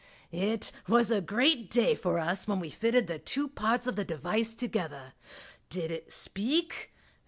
It was a great day for us when we fitted the two parts of the device together. Did it speak?